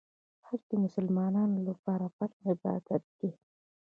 حج د مسلمانانو لپاره فرض عبادت دی.